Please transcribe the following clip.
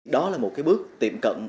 đó là một bước tiệm cận